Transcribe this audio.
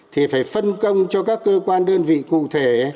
thì phải phân công cho các cơ quan đơn vị cụ thể